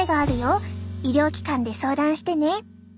医療機関で相談してね。